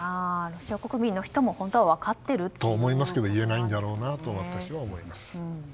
ロシア国民も本当は分かっていると。と思いますが言えないんだろうと私は思います。